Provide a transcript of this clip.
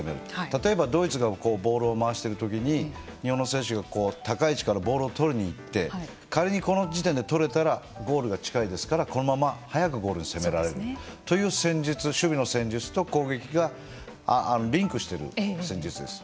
例えばドイツがボールを回しているときに日本の選手が高い位置からボールを取りにいって仮にこの時点で取れたらゴールが近いですからこのまま早くゴールを攻められるという戦術守備の戦術と攻撃がリンクしてる戦術です。